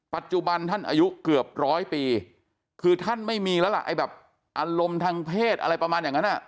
ปัจจุบันท่านอายุเกือบร้อยปีคือท่านไม่มีแล้วล่ะไอ้แบบอารมณ์ทางเพศอะไรประมาณอย่างนั้นอ่ะ